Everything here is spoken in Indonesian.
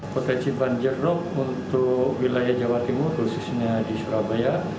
potensi banjir rop untuk wilayah jawa timur khususnya di surabaya